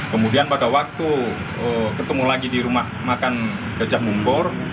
kemudian pada waktu ketemu lagi di rumah makan gajah mumpur